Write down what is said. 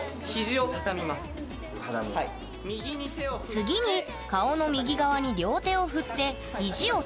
次に顔の右側に両手を振って肘をたたむ。